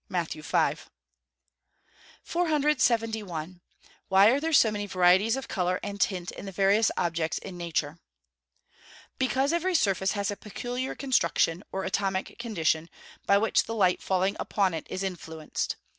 MATT. V.] 471. Why are there so many varieties of colour and tint in the various objects in nature? Because every surface has a peculiar constitution, or atomic condition, by which the light falling upon it is influenced.